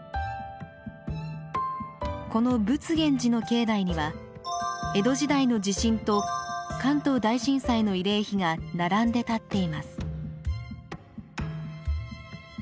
この佛現寺の境内には江戸時代の地震と関東大震災の慰霊碑が並んで立っています。